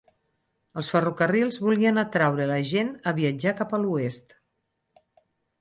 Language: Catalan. Els ferrocarrils volien atraure la gent a viatjar cap a l'oest.